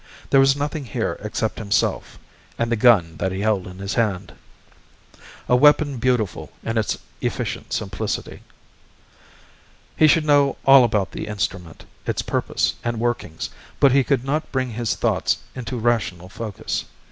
There was nothing here except himself and the gun that he held in his hand. A weapon beautiful in its efficient simplicity. He should know all about the instrument, its purpose and workings, but he could not bring his thoughts into rational focus.